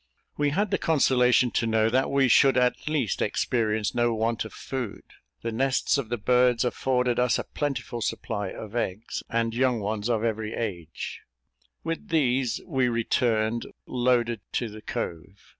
We had the consolation to know that we should at least experience no want of food the nests of the birds affording us a plentiful supply of eggs, and young ones of every age; with these we returned loaded to the cove.